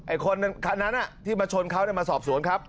คันนั้นที่มาชนเขามาสอบสวนครับ